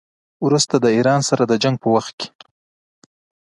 وروسته د ایران سره د جنګ په وخت کې.